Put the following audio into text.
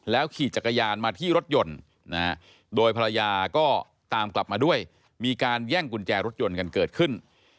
ขี่จักรยานมาที่รถยนต์โดยภรรยาก็ตามกลับมาด้วยมีการแย่งกุญแจรถยนต์กันเกิดขึ้น